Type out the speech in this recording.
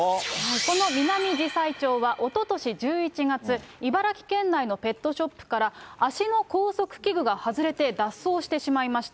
このミナミジサイチョウは、おととし１１月、茨城県内のペットショップから脚の拘束器具が外れて脱走してしまいました。